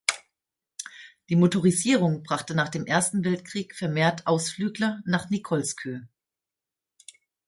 Die Motorisierung brachte nach dem Ersten Weltkrieg vermehrt Ausflügler nach Nikolskoe.